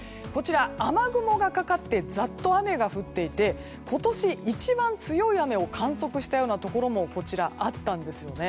雨雲がかかってざっと雨が降っていて今年一番強い雨を観測したようなところもあったんですよね。